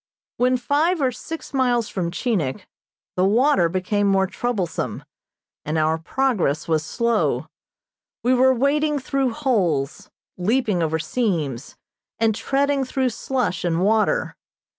When five or six miles from Chinik the water became more troublesome, and our progress was slow. We were wading through holes, leaping over seams, and treading through slush and water.